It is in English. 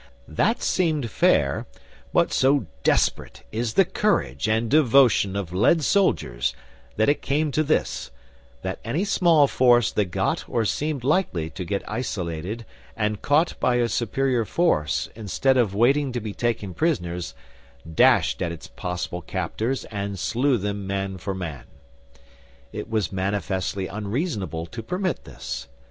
That seemed fair; but so desperate is the courage and devotion of lead soldiers, that it came to this, that any small force that got or seemed likely to get isolated and caught by a superior force instead of waiting to be taken prisoners, dashed at its possible captors and slew them man for man. It was manifestly unreasonable to permit this.